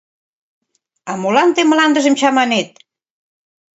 — А молан тый мландыжым чаманет?